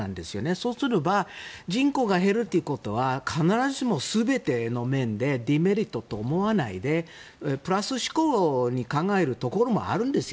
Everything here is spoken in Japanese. そうすれば人口が減るということは必ずしも全ての面でデメリットと思わないでプラス思考に考えるところもあるんですよ。